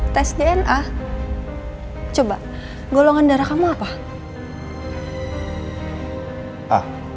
tes dna coba golongan darah kamu apa